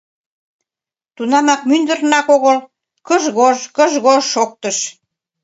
Тунамак мӱндырнат огыл кыж-гож, гыж-гож шоктыш.